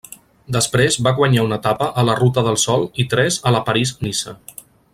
Després va guanyar una etapa a la Ruta del Sol i tres a la París-Niça.